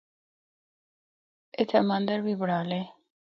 اِتھا مندر بھی بنڑالے۔